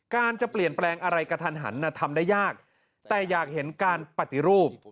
การจะเปลี่ยนแปลงอะไรกระทันหันทำได้ยากแต่อยากเห็นการปฏิรูป